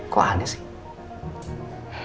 kok aneh sih